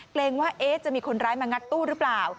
เกรงว่าจะมีคนร้ายมางัดตู้หรือเปล่า